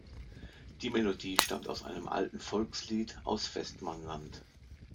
Die Melodie stammt aus einem alten Volkslied aus Västmanland.